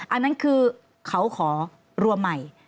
อันนั้นคือเขาขอรับรับใหญ่